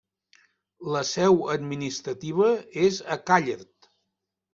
La seu administrativa és a Càller.